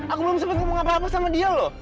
aku belum sempat ngomong apa apa sama dia loh